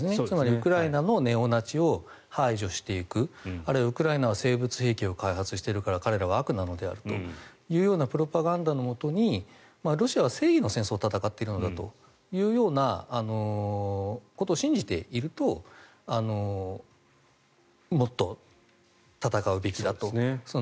つまりウクライナのネオナチを排除していくあるいはウクライナは生物兵器を開発しているから彼らは悪なのであるというようなプロパガンダのもとにロシアが正義の戦争を戦っているんだというようなことを信じているともっと戦うべきだと。